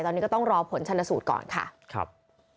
ตอนนี้ก็ต้องรอผลชนสูตรก่อนค่ะครับ